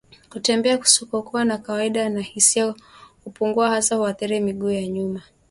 Kutembea kusikokuwa kwa kawaida na hisia kupungua hasa huathiri miguu ya nyuma